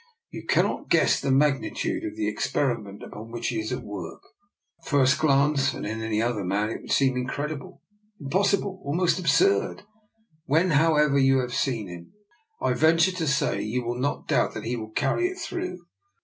You cannot guess the magnitude of the ex periment upon which he is at work. At first glance, and in any other man, it would seem incredible, impossible, almost absurd. When, however, you have seen him, I venture to say you will not doubt that he will carry it through.